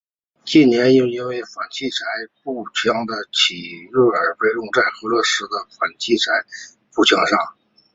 近年又因为反器材步枪的兴起而被用在俄罗斯的反器材步枪上。